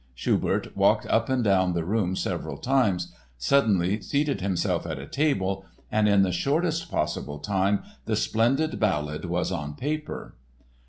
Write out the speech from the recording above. Schubert walked up and down the room several times, suddenly seated himself at a table "and in the shortest possible time the splendid ballad was on paper."